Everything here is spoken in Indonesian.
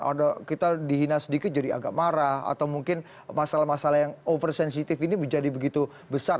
ada kita dihina sedikit jadi agak marah atau mungkin masalah masalah yang over sensitif ini menjadi begitu besar